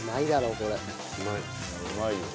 うまいよ。